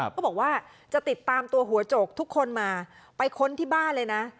เขาบอกว่าจะติดตามตัวหัวโจกทุกคนมาไปค้นที่บ้านเลยนะ